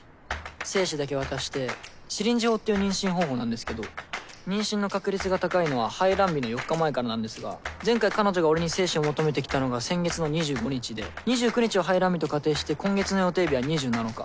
精子だけ渡してシリンジ法っていう妊娠方法なんですけど妊娠の確立が高いのは排卵日の４日前からなんですが前回彼女が俺に精子を求めてきたのが先月の２５日で２９日を排卵日と仮定して今月の予定日は２７日。